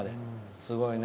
すごいね。